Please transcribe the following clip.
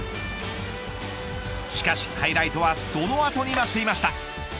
しかしハイライトはその後に待っていました。